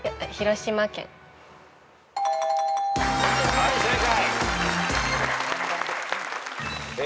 はい正解。